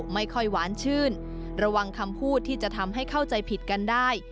ไม่ค่อยหวานชื่นระวังคำพูดที่จะทำให้เข้าใจผิดกันได้